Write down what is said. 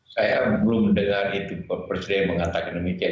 saya belum dengar itu presiden mengatakan demikian